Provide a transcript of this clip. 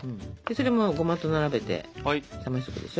それもゴマと並べて冷ましておくでしょ。